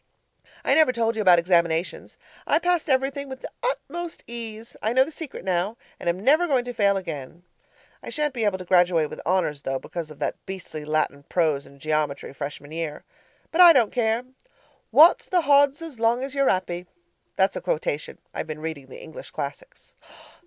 I never told you about examinations. I passed everything with the utmost ease I know the secret now, and am never going to fail again. I shan't be able to graduate with honours though, because of that beastly Latin prose and geometry Freshman year. But I don't care. Wot's the hodds so long as you're 'appy? (That's a quotation. I've been reading the English classics.)